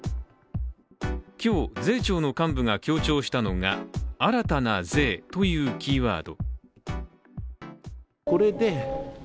今日、税調の幹部が強調したのが「新たな税」というキーワード。